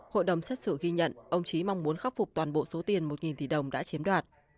hội đồng xét xử ghi nhận ông trí mong muốn khắc phục toàn bộ số tiền một tỷ đồng đã chiếm đoạt